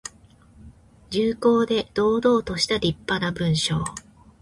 重厚で堂々としたりっぱな文章。